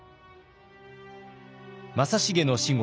正成の死後